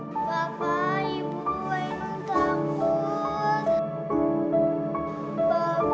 papa ibu ainung takut